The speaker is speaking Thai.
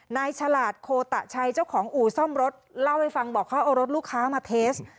ฉลาดโคตะชัยเจ้าของอู่ซ่อมรถเล่าให้ฟังบอกเขาเอารถลูกค้ามาเทส